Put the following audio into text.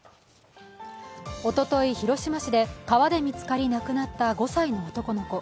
おととい、広島市で川で見つかり亡くなった５歳の男の子。